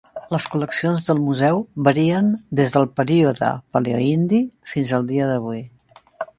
Les col·leccions del Museu varien des del període paleo-indi fins al dia d'avui.